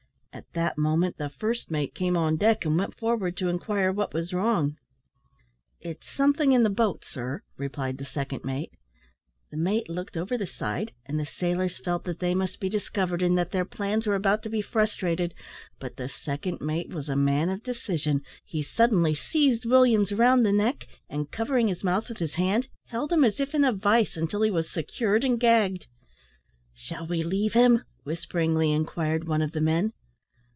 At that moment the first mate came on deck, and went forward to inquire what was wrong. "It's something in the boat, sir," replied the second mate. The mate looked over the side, and the sailors felt that they must be discovered, and that their plans were about to be frustrated. But the second mate was a man of decision. He suddenly seized Williams round the neck, and, covering his mouth with his hand, held him as if in a vice until he was secured and gagged. "Shall we leave him!" whisperingly inquired one of the men.